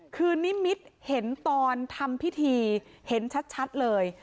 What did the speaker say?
คือนิมิตเห็นตอนทำพิธีเห็นชัดเลย